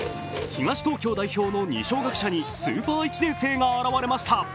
東東京代表の二松学舎にスーパー１年生が現れました。